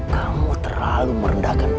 kamu terlalu merendahkan